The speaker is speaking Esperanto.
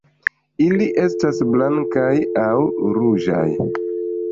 Ili estas blankaj aŭ ruĝaj.